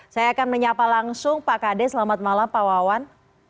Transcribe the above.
saya akan menyapa langsung pak kade selamat malam pak wawan